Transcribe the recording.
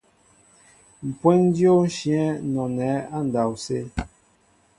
Mpweŋ dyô nshyɛέŋ nɔnɛɛ andɔwsé.